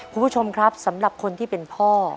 คุณผู้ชมครับสำหรับคนที่เป็นพ่อ